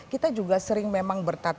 kita juga sering memang bertatap muka